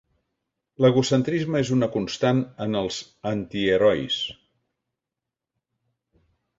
L'egocentrisme és una constant en els antiherois.